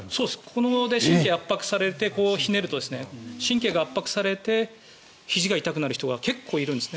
ここで神経が圧迫されてひねると神経が圧迫されてひじが痛くなる人が結構いるんですね。